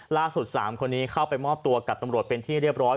๓คนนี้เข้าไปมอบตัวกับตำรวจเป็นที่เรียบร้อย